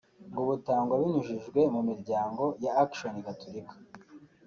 ngo butangwa binyujijwe mu miryango y’action Gatolika